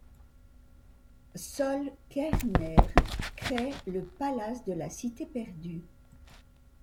Sol Kerzner crée le Palace de la Cité Perdue.